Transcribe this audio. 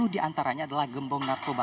dua puluh diantaranya adalah gembong narkoba